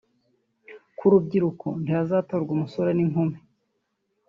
Ku rubyiruko ntihazatorwa umusore n’inkumi